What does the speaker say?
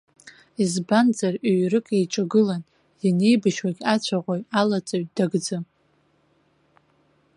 Избанзар, ҩ-рык еиҿагылан ианеибашьуагьы ацәаӷәаҩ, алаҵаҩ дагӡам.